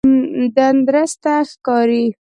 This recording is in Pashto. تندرسته ښکاری؟